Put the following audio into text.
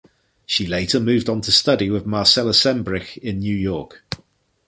She later moved on to study with Marcella Sembrich in New York.